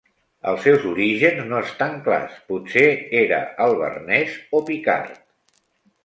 Els seus orígens no estan clars, potser era alvernès o picard.